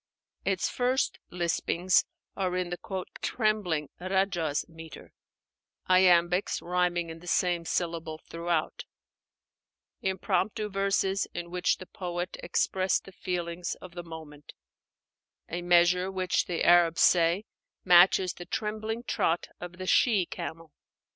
Its first lispings are in the "trembling" (rájaz) metre, iambics, rhyming in the same syllable throughout; impromptu verses, in which the poet expressed the feelings of the moment: a measure which, the Arabs say, matches the trembling trot of the she camel.